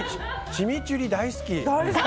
チミチュリ、大好き。